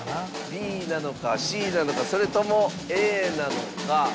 ＢなのかＣなのかそれともＡなのか。